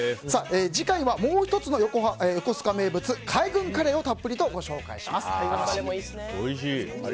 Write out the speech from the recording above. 次回はもう１つの横須賀名物海軍カレーをたっぷりお伝えします。